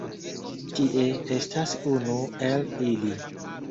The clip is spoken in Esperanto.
Tie estas unu el ili